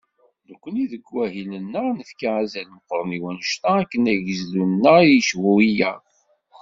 Nekkni deg wahil-nneɣ, nefka azal meqqren i wannect-a, akken agezdu-nneɣ ad yecbu wiyaḍ.